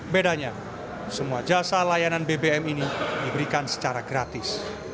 bedanya semua jasa layanan bbm ini diberikan secara gratis